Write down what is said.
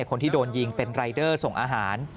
คนที่โดนยิงเป็นรายเดอร์ส่งอาหาร